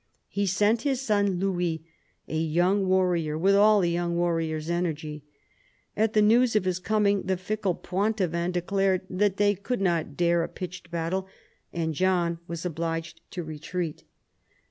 He sent his son Louis, a young warrior with all a young warrior's energy. At the news of his coming the fickle Poitevins declared that they could not dare a pitched battle, and John was obliged to retreat.